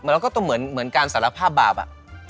แล้วก็เหมือนการสารภาพบาปอะ